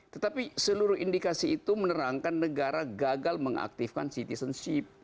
tetapi seluruh indikasi itu menerangkan negara gagal mengaktifkan citizenship